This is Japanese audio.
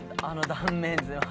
あの断面図。